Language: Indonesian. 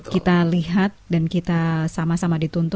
kita lihat dan kita sama sama dituntut